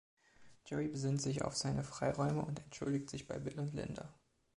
Jerry besinnt sich auf seine Freiräume und entschuldigt sich bei Bill und Linda.